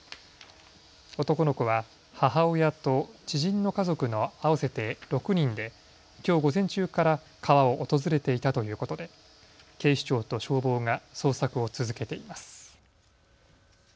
男の子は母親と知人の家族の合わせて６人できょう午前中から川を訪れていたということで警視庁と消防が捜索を続けています。